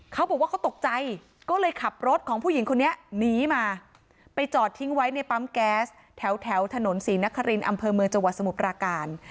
เขาบอกว่าเขาตกใจก็เลยขับรถของผู้หญิงคนนี้หนีมาไปจอดทิ้งไว้ในปั๊มแก๊สแถวถนนศรีนครินอำเภอเมืองจังหวัดสมุทรปราการ